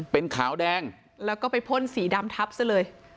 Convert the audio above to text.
เป็นขาวแดงแล้วก็ไปพ่นสีดำทับซะเลย